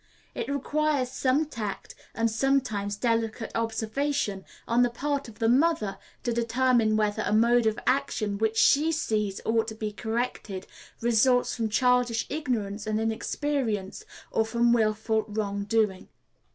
It requires some tact, and sometimes delicate observation, on the part of the mother to determine whether a mode of action which she sees ought to be corrected results from childish ignorance and inexperience, or from willful wrong doing.